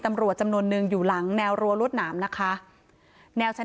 จำนวนนึงอยู่หลังแนวรั้วรวดหนามนะคะแนวชั้น